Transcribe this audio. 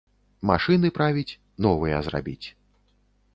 Машыны правіць, новыя зрабіць.